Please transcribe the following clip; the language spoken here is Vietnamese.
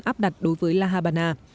áp đặt đối với la habana